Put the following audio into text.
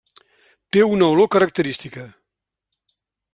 Té una olor característica.